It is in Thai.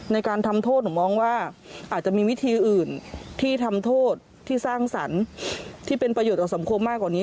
ในการทำโทษหนูมองว่าอาจจะมีวิธีอื่นที่ทำโทษที่สร้างสรรค์ที่เป็นประโยชน์ต่อสังคมมากกว่านี้